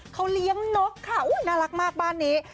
เขาเลี้ยงนกค่ะน่ารักมากบ้านนี้